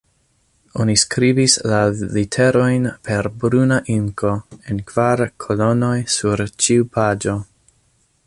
Oni skribis la literojn per bruna inko, en kvar kolonoj sur ĉiu paĝo.